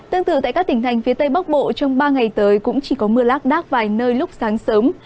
tương tự tại các tỉnh thành phía tây bắc bộ trong ba ngày tới cũng chỉ có mưa lác đác vài nơi lúc sáng sớm